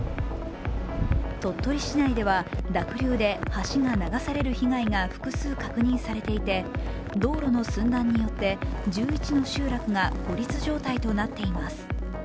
鳥取市内では濁流で橋が流される被害が複数確認されていて道路の寸断によって１１の集落が孤立状態となっています。